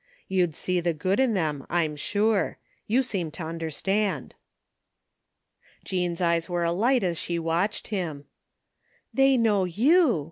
You'd see the good in them, I'm sure. You seem to understand." Jean's eyes were alight as she watched him. " They know you